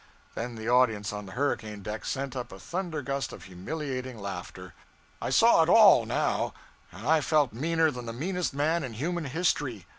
Then the audience on the hurricane deck sent up a thundergust of humiliating laughter. I saw it all, now, and I felt meaner than the meanest man in human history.